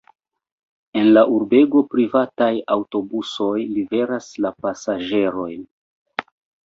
En la urbego privataj aŭtobusoj liveras la pasaĝerojn.